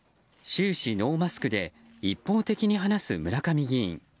終始ノーマスクで一方的に話す村上議員。